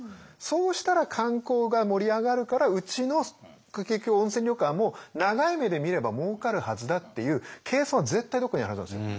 そうしたら観光が盛り上がるからうちの結局温泉旅館も長い目で見ればもうかるはずだっていう計算は絶対どこかにあるはずなんですよ。